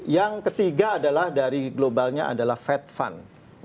yang ketiga adalah dari globalnya adalah fed fund